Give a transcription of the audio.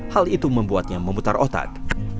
hal itu membuatnya memutar otak